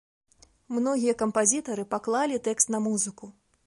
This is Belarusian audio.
Многія кампазітары паклалі тэкст на музыку.